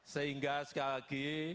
sehingga sekali lagi